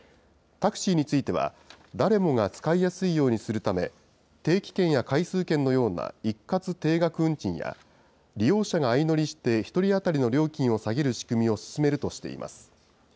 タクシーについては、誰もが使いやすいようにするため、定期券や回数券のような一括定額運賃や、利用者が相乗りして１人当たりの料金を下げる仕組みを進めるとしています。